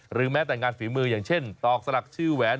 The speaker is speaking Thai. แม้แต่งานฝีมืออย่างเช่นตอกสลักชื่อแหวน